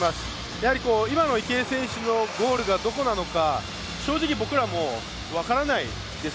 やはり、今の池江選手のゴールがどこなのか正直僕らも分からないです。